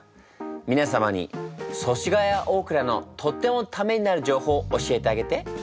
皆様に祖師ヶ谷大蔵のとってもタメになる情報を教えてあげて。